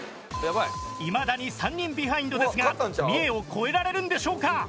いまだに３人ビハインドですが三重を超えられるんでしょうか？